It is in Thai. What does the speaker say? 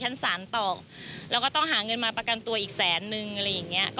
ชั้นศาลต่อแล้วก็ต้องหาเงินมาประกันตัวอีกแสนนึงอะไรอย่างเงี้ย